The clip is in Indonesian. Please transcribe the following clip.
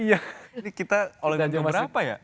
ini kita all indonesia keberapa ya